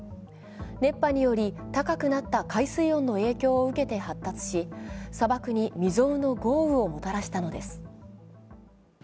熱波により高くなった海水温の影響を受けて発達し砂漠に未曽有の豪雨をもたらしたのです。